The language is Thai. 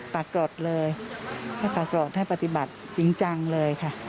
ปรากฏเลยให้ปรากฏให้ปฏิบัติจริงจังเลยค่ะ